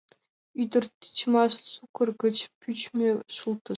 Ӱдыр — тичмаш сукыр гыч пӱчмӧ шултыш.